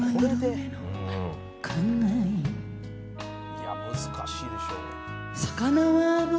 「いや難しいでしょ」